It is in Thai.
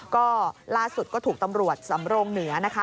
ก็ล่าสุดก็ถูกตำรวจสำโรงเหนือนะคะ